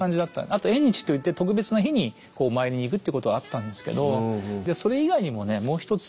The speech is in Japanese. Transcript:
あと「縁日」といって特別な日にこうお参りに行くっていうことはあったんですけどそれ以外にもねもう一つ